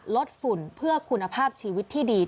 ฝุ่นเพื่อคุณภาพชีวิตที่ดี